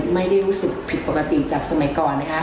ไม่ได้รู้สึกผิดปกติจากสมัยก่อนนะคะ